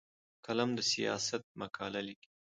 قلم د سیاست مقاله لیکي